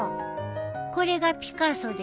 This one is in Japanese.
これがピカソでしょ。